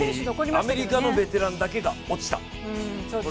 アメリカのベテランだけが落ちた。